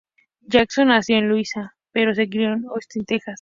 Jackson nació en Luisiana, pero se crio en Austin, Texas.